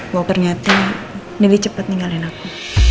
wau pernyata nindy cepet ninggalin aku